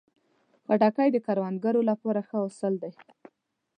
خټکی د کروندګرو لپاره ښه حاصل دی.